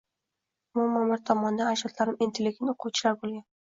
Umuman, bir tomondan ajdodlarim intellegent oʻqituvchilar boʻlgan